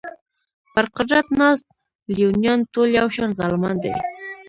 پر قدرت ناست لېونیان ټول یو شان ظالمان دي.